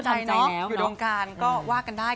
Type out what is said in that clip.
ทำใครนอกอยู่ตรงการก็ว่ากันได้